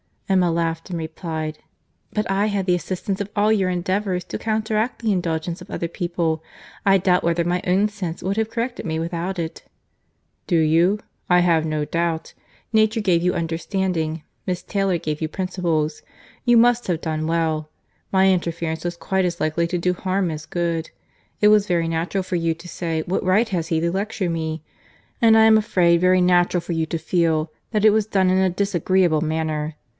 Emma laughed, and replied: "But I had the assistance of all your endeavours to counteract the indulgence of other people. I doubt whether my own sense would have corrected me without it." "Do you?—I have no doubt. Nature gave you understanding:—Miss Taylor gave you principles. You must have done well. My interference was quite as likely to do harm as good. It was very natural for you to say, what right has he to lecture me?—and I am afraid very natural for you to feel that it was done in a disagreeable manner.